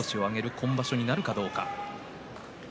今場所になるかどうか。